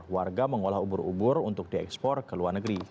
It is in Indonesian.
warga mengolah ubur ubur untuk diekspor ke luar negeri